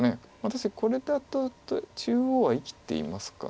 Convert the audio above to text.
確かにこれだと中央は生きていますか。